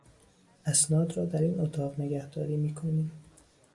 اسناد را در این اتاق نگهداری میکنیم.